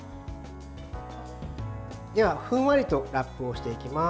では、ふんわりとラップをしていきます。